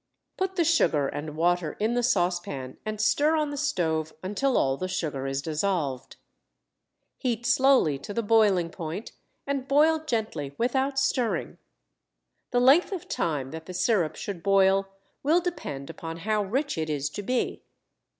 Put the sugar and water in the saucepan and stir on the stove until all the sugar is dissolved. Heat slowly to the boiling point and boil gently without stirring. The length of time that the sirup should boil will depend upon how rich it is to be.